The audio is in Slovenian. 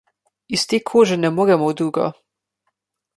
Iz te kože ne moremo v drugo.